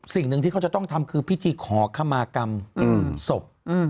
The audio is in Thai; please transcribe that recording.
สิ่งหนึ่งที่เขาจะต้องทำคือพิธีขอขมากรรมศพ